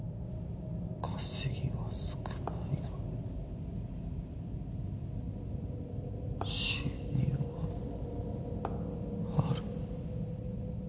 稼ぎは少ないが収入はある。